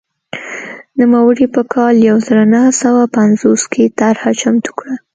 نوموړي په کال یو زر نهه سوه پنځوس کې طرحه چمتو کړه.